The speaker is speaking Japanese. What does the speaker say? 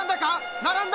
並んだ！